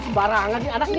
sembarangan nih anak ini